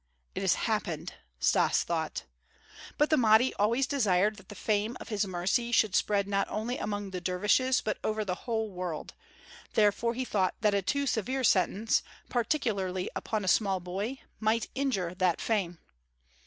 "It has happened!" Stas thought. But the Mahdi always desired that the fame of his mercy should spread not only among the dervishes but over the whole world; therefore he thought that a too severe sentence, particularly upon a small boy, might injure that fame.